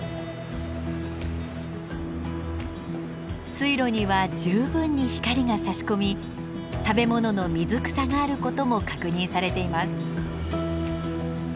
水路には十分に光がさし込み食べ物の水草があることも確認されています。